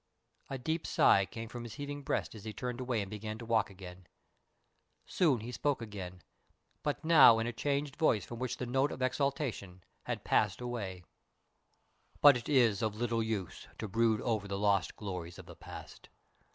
A deep sigh came from his heaving breast as he turned away and began his walk again. Soon he spoke again, but now in a changed voice from which the note of exaltation had passed away: "But it is of little use to brood over the lost glories of the past.